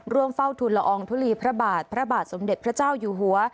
ร่วมเฝ้าทุนละอองทุลีพระบาทพระบาทสมเด็จพระเจ้าอยู่หัว